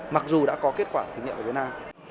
mặc dù đã có kết quả thử nghiệm ở việt nam